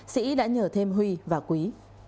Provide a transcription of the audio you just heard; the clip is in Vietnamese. sĩ đã nhờ thêm huy và quý